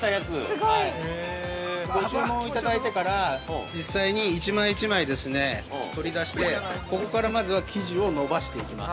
◆ご注文いただいてから実際に、一枚一枚取り出してここからまずは生地を伸ばしていきます。